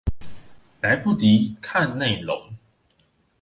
來不及看內容